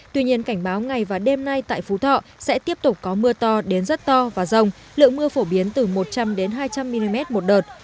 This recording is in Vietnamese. tuy nhiên cảnh báo ngày và đêm nay tại phú thọ sẽ tiếp tục có mưa to đến rất to và rông lượng mưa phổ biến từ một trăm linh hai trăm linh mm một đợt